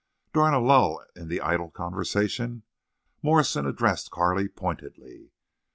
During a lull in the idle conversation Morrison addressed Carley pointedly.